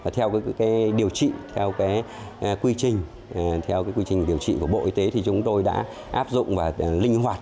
theo quy trình điều trị của bộ y tế thì chúng tôi đã áp dụng và linh hoạt